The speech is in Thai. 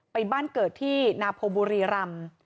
ไปบ้านเกิดที่นาโพบุรีรำ